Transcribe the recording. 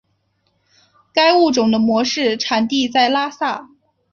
该物种的模式产地在拉萨。